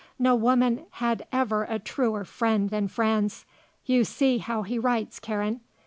"No woman had ever a truer friend than Franz. You see how he writes, Karen.